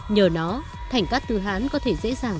nhờ nó thành các từ hán có thể dễ dàng